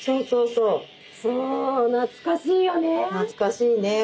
そう懐かしいね。